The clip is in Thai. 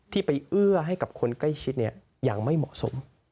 ที่ไปเอื้อให้กับคนใกล้ชิดอย่างไม่เหมาะสม